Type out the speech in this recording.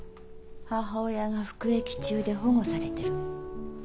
母親が服役中で保護されてる。